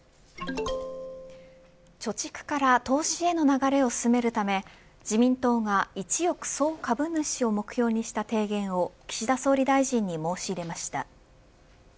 貯蓄から投資への流れを進めるため自民党が一億総株主を目標にした提言を岸田総理大臣に申し入れました。